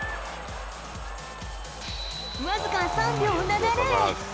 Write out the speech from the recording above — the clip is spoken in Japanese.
僅か３秒７０。